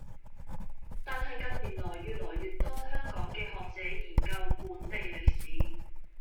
但係近年來越來越多香港嘅學者研究本地歷史